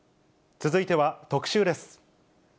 続いては特集です。